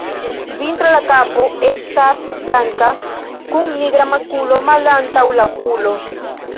Vintre la kapo estas blanka kun nigra makulo malantaŭ la okulo.